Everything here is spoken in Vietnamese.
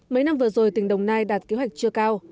mấy năm vừa rồi tỉnh đồng nai đạt kế hoạch chưa cao